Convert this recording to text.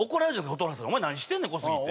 蛍原さんに「お前何してんねん小杉」って。